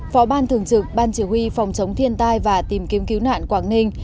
phó ban thường trực ban chỉ huy phòng chống thiên tai và tìm kiếm cứu nạn quảng ninh